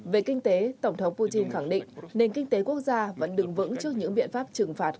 về kinh tế tổng thống putin khẳng định nền kinh tế quốc gia vẫn đứng vững trước những biện pháp trừng phạt